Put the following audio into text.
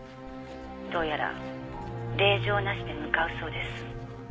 どうやら令状なしで向かうそうです。